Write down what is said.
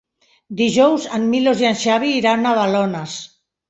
Dijous en Milos i en Xavi iran a Balones.